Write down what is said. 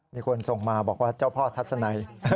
มีคนส่งมาบอกว่าเจ้าพ่อทัศนัย